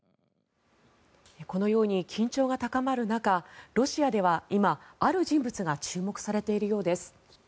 このように緊張が高まる中ロシアでは今、ある人物が注目されているようです。